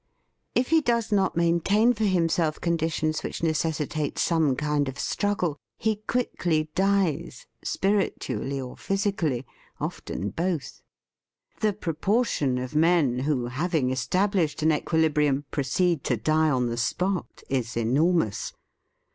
If he does not main tain for himself conditions which neces sitate some kind of struggle, he quick ly dies — spiritually or physically, often both. The proportion of men who, hav ing established an equilibrium, proceed to die on the spot, is enormous.